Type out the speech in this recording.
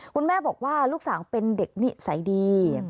คุณแม่บอกว่าลูกสาวเป็นเด็กนิสัยดี